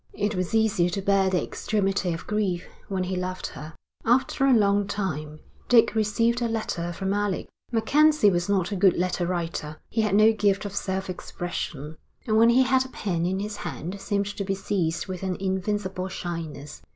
It was easy to bear the extremity of grief when he loved her. After a long time Dick received a letter from Alec. MacKenzie was not a good letter writer. He had no gift of self expression, and when he had a pen in his hand seemed to be seized with an invincible shyness.